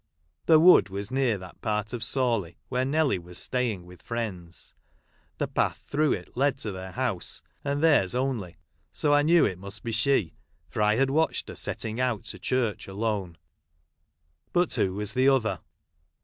The wood was near that part of Sawley who.ro Nelly was staying with friends ; the path through it led to their house, and their's ohly, so I knew it must be she, for I had watched her setting out to church alone. But who was the other